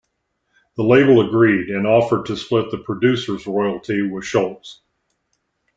The label agreed, and offered to split the producer's royalty with Scholz.